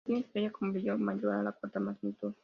No tiene estrella con brillo mayor a la cuarta magnitud.